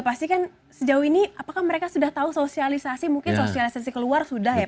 pastikan sejauh ini apakah mereka sudah tahu sosialisasi mungkin sosialisasi keluar sudah ya pak